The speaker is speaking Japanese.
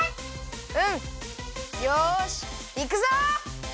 うん！よしいくぞ！